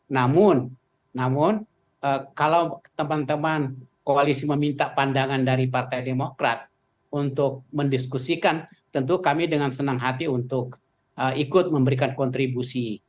namun namun kalau teman teman koalisi meminta pandangan dari partai demokrat untuk mendiskusikan tentu kami dengan senang hati untuk ikut memberikan kontribusi